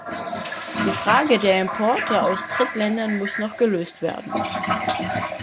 Die Frage der Importe aus Drittländern muss noch gelöst werden.